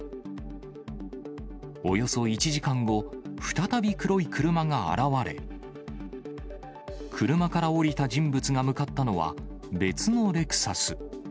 およそ１時間後、再び黒い車が現われ、車から降りた人物が向かったのは、別のレクサス。